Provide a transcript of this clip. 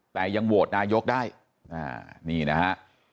แต่ยังโหวตนายกได้นี่นะฮะ